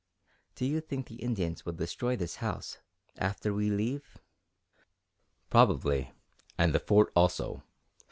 "Do you think the Indians will destroy this house, after we leave?" "Probably, and the Fort also.